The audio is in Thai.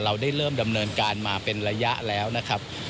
เราได้เริ่มดำเนินการมาเป็นระยะแล้วนะครับ